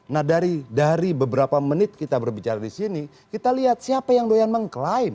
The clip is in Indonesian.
nah dari beberapa menit kita berbicara di sini kita lihat siapa yang doyan mengklaim